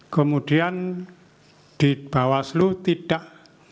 kemudian di bawaslu tidak